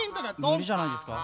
むりじゃないんですか？